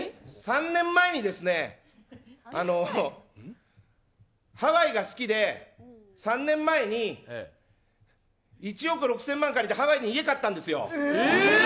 ３年前にですね、ハワイが好きで３年前に、１億６０００万借りてハワイに家買ったんですよ。